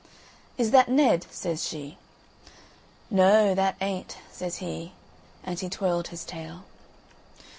"Is that Ned?" says she. "Noo, that ain't," says he, and he twirled his tail.